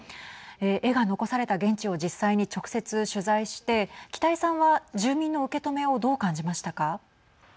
絵が残された現地を実際に直接取材して北井さんは住民の受け止めをどう感じましたか。